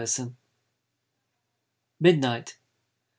MIDNIGHT.